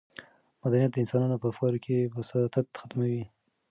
مدنیت د انسانانو په افکارو کې بساطت ختموي.